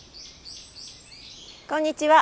こんにちは。